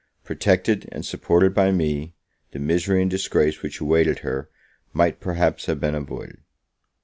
Protected and supported by me, the misery and disgrace which awaited her might perhaps have been avoided.